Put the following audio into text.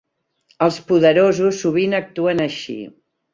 Els poderosos sovint actuen així.